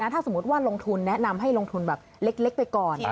ถ้าสมมุติว่าลงทุนแนะนำให้ลงทุนแบบเล็กไปก่อน